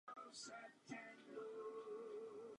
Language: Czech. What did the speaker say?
Jeho fotografická praxe byla přerušena první světovou válkou.